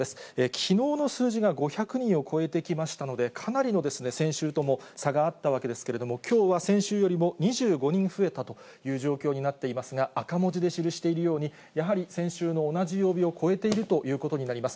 きのうの数字が５００人を超えてきましたので、かなりの先週と差があったわけですけれども、きょうは先週よりも２５人増えたという状況になっていますが、赤文字で記しているように、やはり先週の同じ曜日を超えているということになります。